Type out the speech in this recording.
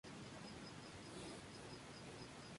Bocairente y Onteniente en la provincia de Valencia.